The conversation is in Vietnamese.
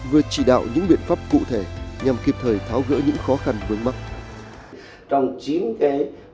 vừa chỉ đạo những biện pháp cụ thể nhằm kịp thời tháo gỡ những khó khăn vướng mắt